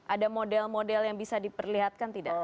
ada model model yang bisa diperlihatkan tidak